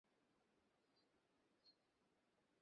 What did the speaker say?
যোগেন্দ্র বাহিরে যাইতেই অক্ষয় আসিয়া কহিল, এই-যে, যোগেন আসিয়াছ।